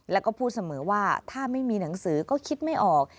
แล้วก็พูดเสมอว่าถ้าไม่มีหนังสือก็คิดไม่ออก